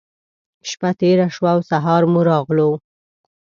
شپّه تېره شوه او سهار مو راغلو.